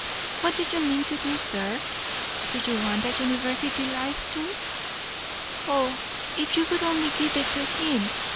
What do you mean to do, sir? Do you want a university life, too?" "Oh, if you would only give it to him!"